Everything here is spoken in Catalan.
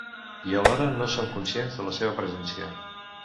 I alhora no som conscients de la seva presència.